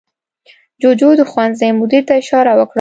جوجو د ښوونځي مدیر ته اشاره وکړه.